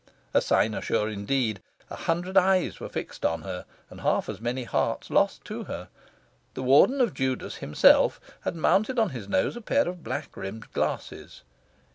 A cynosure indeed! A hundred eyes were fixed on her, and half as many hearts lost to her. The Warden of Judas himself had mounted on his nose a pair of black rimmed glasses.